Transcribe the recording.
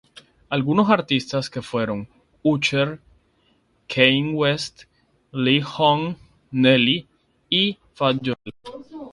Algunos artistas que fueron: Usher, Kanye West, Lil’ Jon, Nelly, y Fat Joe.